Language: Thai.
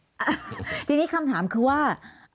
ทีนี้คำถามคือว่า